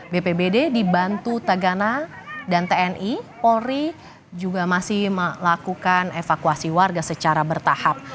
bpbd dibantu tagana dan tni polri juga masih melakukan evakuasi warga secara bertahap